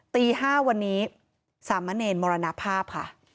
ตีห้าวันนี้สามเมอร์เนรมรณภาพค่ะ